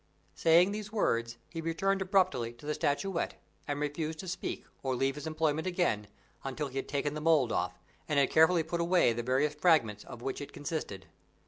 Saying these words, he returned abruptly to the statuette; and refused to speak, or leave his employment again, until he had taken the mold off, and had carefully put away the various fragments of which it consisted.